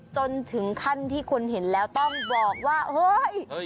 จนถึงขั้นที่คนเห็นแล้วต้องบอกว่าเฮ้ย